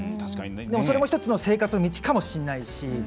でも、それも１つの生活の道かもしれないし。